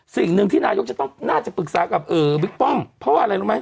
สิ่งหนึ่งที่นายกจะต้องน่าจะปรึกษากับบิ๊กป้อมเพราะว่าอะไรรู้ไหม